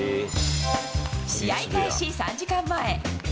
試合開始３時間前。